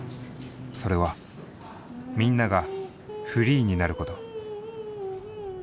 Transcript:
それはみんなが「Ｆｒｅｅ」になること。